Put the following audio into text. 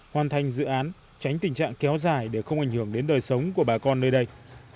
hoàn thành dự án tránh tình trạng kéo dài để không ảnh hưởng đến đời sống của bà con nơi đây